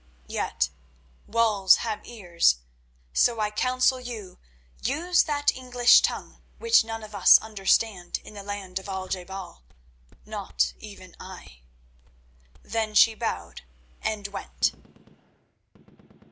Yet walls have ears, so I counsel you use that English tongue which none of us understand in the land of Al je bal—not even I." Then she bowed and went.